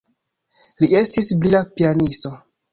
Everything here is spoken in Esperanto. Li estis brila pianisto.